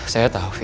saya tahu gavin